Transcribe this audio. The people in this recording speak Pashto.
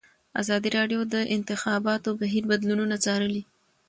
ازادي راډیو د د انتخاباتو بهیر بدلونونه څارلي.